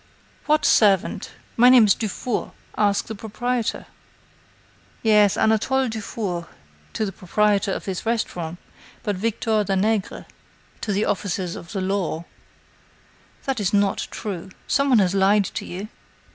"What servant? My name is Dufour. Ask the proprietor." "Yes, Anatole Dufour to the proprietor of this restaurant, but Victor Danègre to the officers of the law." "That's not true! Some one has lied to you."